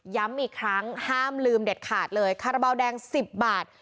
ย้ำอีกครั้งห้ามลืมเด็ดขาดเลยคาราบาลแดง๑๐บาท